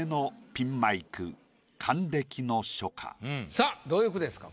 さぁどういう句ですか？